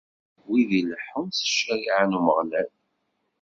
Wid i ileḥḥun s ccariɛa n Umeɣlal!